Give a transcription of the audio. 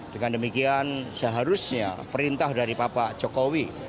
dengan demikian seharusnya perintah dari bapak jokowi